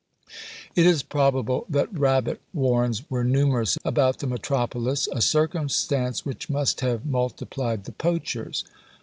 It is probable that rabbit warrens were numerous about the metropolis, a circumstance which must have multiplied the poachers.